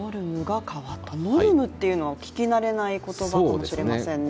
ノルムっていうのは聞き慣れない言葉かもしれませんね。